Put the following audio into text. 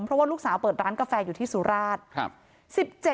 เพราะว่าลูกสาวเปิดร้านกาแฟอยู่ที่สุราช